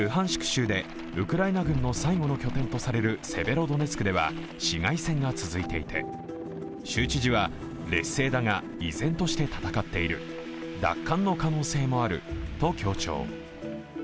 州で、ウクライナ軍の最後の拠点とされるセベロドネツクでは市街戦が続いていて、州知事は、劣勢だが依然として戦っている、奪還の可能性もあると強調。